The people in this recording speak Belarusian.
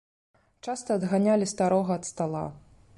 Часта адганялі старога ад стала.